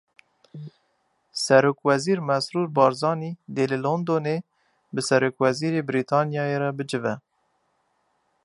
Serokwezîr Mesrûr Barzanî dê li Londonê bi Serokwezîrê Brîtanyayê re bicive.